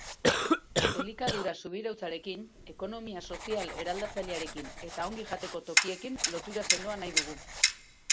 Elikadura subirautzarekin, ekonomia sozial eraldatzailearekin eta ongi jateko tokiekin lotura sendoa nahi dugu.